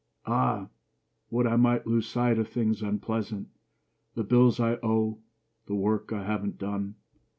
Ah, would I might lose sight of things unpleasant: The bills I owe; the work I haven't done.